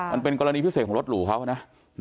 มันเป็นกรณีพิเศษของรถหรูเขานะ